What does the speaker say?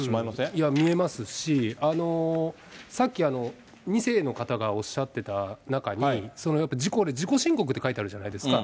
いや、見えますし、さっき２世の方がおっしゃっていた中に、自己申告って書いてあるじゃないですか。